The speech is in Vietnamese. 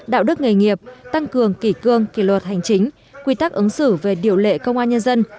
đạo đức nghề nghiệp tăng cường kỷ cương kỷ luật hành chính quy tắc ứng xử về điều lệ công an nhân dân